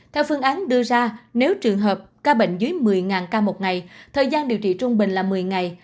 theo phương án đưa ra nếu trường hợp ca bệnh dưới một mươi ca một ngày thời gian điều trị trung bình là một mươi ngày